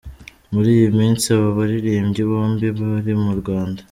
Muri iyi minsi aba baririmbyi bombi bari mu Rwanda.